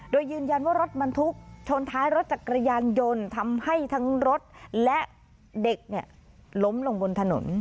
โดยยืนยันว่ารถบรรทุกชนท้ายรถจักรยานยนต์ทำให้ทั้งรถและเด็กล้มลงบนถนน